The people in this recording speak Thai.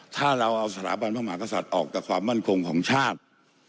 ถ้าเราเอาสถาบันพระมหากษัตริย์ออกจากความมั่นคงของชาติ